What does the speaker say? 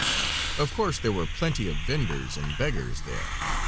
Of course there were plenty of venders and beggars there.